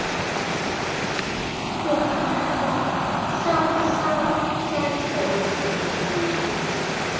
用眼角睄一睄張草紙